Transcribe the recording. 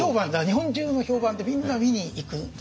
日本中の評判でみんな見に行くんです。